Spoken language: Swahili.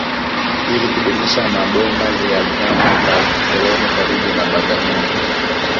Ili kudumisha maboma ya zama za kikoloni karibu na Bagamoyo